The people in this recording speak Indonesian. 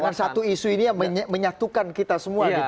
dengan satu isu ini menyatukan kita semua